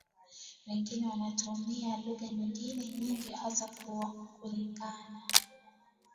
wengine wanatumia lugha nyingine nyingi hasa kulingana